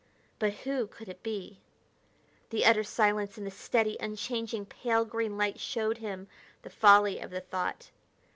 But who could it be? The utter silence and the steady, unchanging, pale green light showed him the folly of the thought.